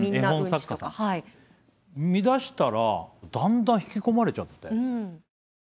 見だしたらだんだん引き込まれちゃって。